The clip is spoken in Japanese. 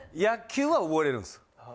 野球は覚えれるんです。